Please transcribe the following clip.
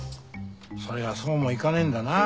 それがそうもいかねえんだなぁ。